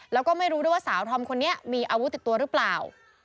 แล้วก็ไม่รู้ด้วยว่าสาวธอมคนนี้มีอาวุธติดตัวหรือเปล่า